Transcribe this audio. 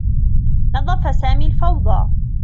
نظّف سامي الفوضى.